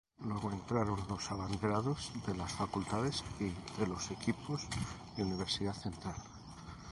Luego entraron los abanderados de las facultades y de los equipos de Universidad Central.